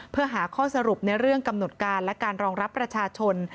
เพื่อหาข้อสรุปในเรื่องกำหนดการและการรองรับประชาชน